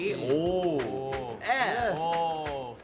おお。